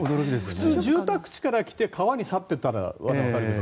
普通、住宅地から来て川に去っていったならわかるけど。